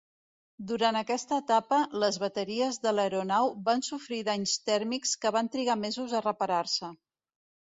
Durant aquesta etapa, les bateries de l'aeronau van sofrir danys tèrmics que van trigar mesos a reparar-se.